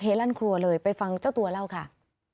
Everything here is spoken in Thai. ลั่นครัวเลยไปฟังเจ้าตัวเล่าค่ะ